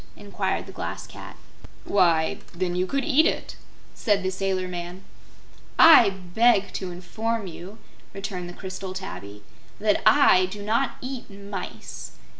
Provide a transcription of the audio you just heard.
inquired the Glass Cat. "Why, then you could eat it," said the sailor man. "I beg to inform you," returned the crystal tabby, "that I do not eat mice.